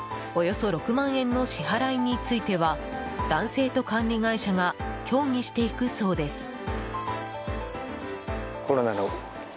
およそ６万円の支払いについては男性と管理会社が協議していくそうです。